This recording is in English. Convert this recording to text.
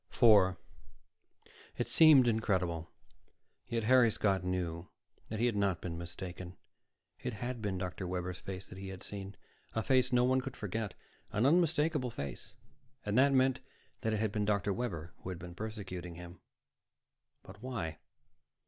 4 It seemed incredible, yet Harry Scott knew he had not been mistaken. It had been Dr. Webber's face he had seen, a face no one could forget, an unmistakable face. And that meant that it had been Dr. Webber who had been persecuting him. But why?